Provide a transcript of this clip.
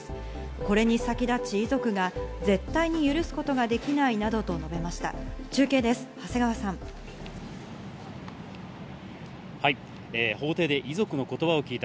これに先立ち遺族が絶対に許すことができないなどと述べました。